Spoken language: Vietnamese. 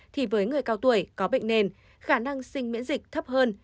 thì với người cao tuổi có bệnh nền khả năng sinh miễn dịch thấp hơn